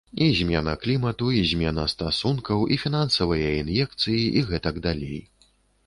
І змена клімату, і змена стасункаў, і фінансавыя ін'екцыі, і гэтак далей.